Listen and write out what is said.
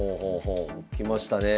きましたねえ。